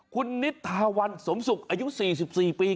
คุณนิทาวันสมศุกร์อายุ๔๔ปี